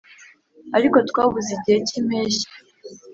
ariko twabuze igihe cy'impeshyi